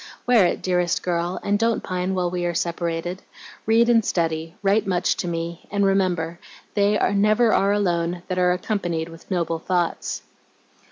Wear it, dearest girl, and don't pine while we are separated. Read and study, write much to me, and remember, "They never are alone that are accompanied with noble thoughts."'"